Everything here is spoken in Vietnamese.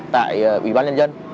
tại ủy ban nhân dân